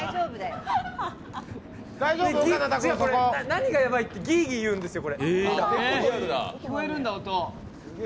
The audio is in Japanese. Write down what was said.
何がヤバいって、ギーギー言うんですよ。